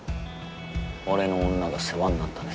俺の女が世話になったね